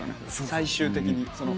最終的に。